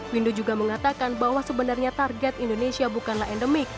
windu juga mengatakan bahwa sebenarnya target indonesia bukanlah endemik